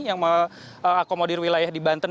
yang mengakomodir wilayah di banten